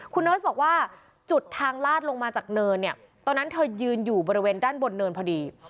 คุณเนิร์สบอกว่าจุดทางลาดลงมาจากเนินเนี่ยตอนนั้นเธอยืนอยู่บริเวณด้านบนเนินพอดี